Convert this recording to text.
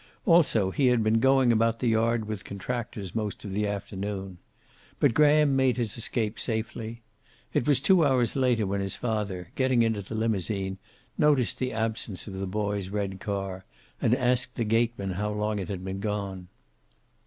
Also, he had been going about the yard with contractors most of the afternoon. But Graham made his escape safely. It was two hours later when his father, getting into the limousine, noticed the absence of the boy's red car, and asked the gateman how long it had been gone.